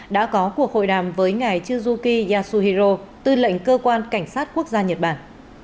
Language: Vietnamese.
đã có cuộc hội đàm với ngài juki yasuhiro tư lệnh cơ quan cảnh sát quốc gia nhật bản